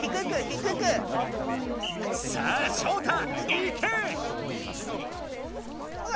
低く！さあショウタいけ！